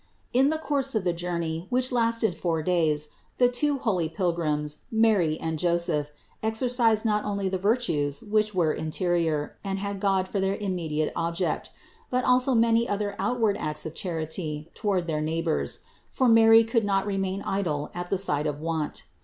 207. In the course of the journey, which lasted four days, the two holy pilgrims, Mary and Joseph, exercised not only the virtues which were interior and had God for their immediate object, but also many other outward acts of charity toward their neighbors ; for Mary could not remain idle at the sight of want.